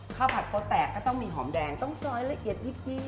ผัดโป๊แตกก็ต้องมีหอมแดงต้องซอยละเอียดยิบ